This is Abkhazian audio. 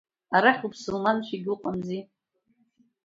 Арахь уԥсылманшәагьы уҟамзи.